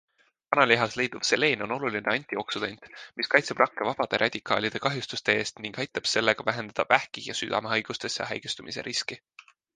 Kanalihas leiduv seleen on oluline antioksüdant, mis kaitseb rakke vabade radikaalide kahjustuste eest ning aitab sellega vähendada vähki ja südamehaigustesse haigestumise riski.